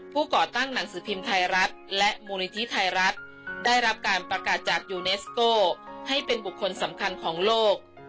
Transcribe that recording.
ก่อตั้งหนังสือพิมพ์ไทยรัฐและมูลนิธิไทยรัฐได้รับการประกาศจากยูเนสโก้ให้เป็นบุคคลสำคัญของโลก